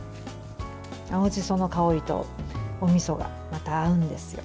青じその香りとおみそがまた合うんですよ。